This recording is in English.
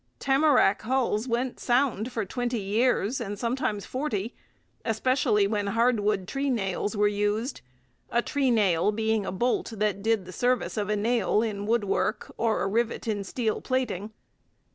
Tamarac hulls went sound for twenty years, and sometimes forty, especially when hardwood treenails were used a treenail being a bolt that did the service of a nail in woodwork or a rivet in steel plating.